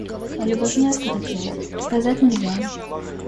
А любовь неоткуда взять, приказать нельзя.